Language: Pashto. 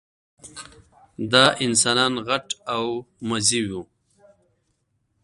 دا انسانان غټ او مزي وو.